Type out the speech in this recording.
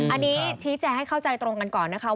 อันนี้ชี้แจงให้เข้าใจตรงกันก่อนนะคะ